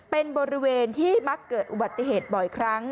เป็นบริเวณที่มักเกิดอุบัติเหตุบ่อยครั้ง